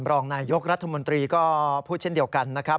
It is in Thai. รองนายยกรัฐมนตรีก็พูดเช่นเดียวกันนะครับ